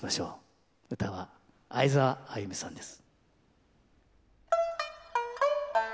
唄は會澤あゆみさんです。